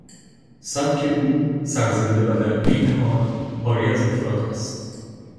سبک او سرزنده و درعین حال عاری از افراط است.